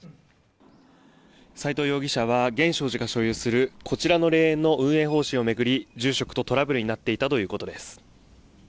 斉藤容疑者は、源証寺が所有するこちらの霊園の運営方針を巡り、住職とトラブルになっていたということです。